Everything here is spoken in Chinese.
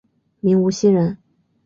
明无锡人。